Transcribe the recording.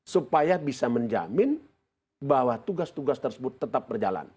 supaya bisa menjamin bahwa tugas tugas tersebut tetap berjalan